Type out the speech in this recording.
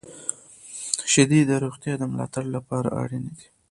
• شیدې د روغتیا د ملاتړ لپاره اړینې دي.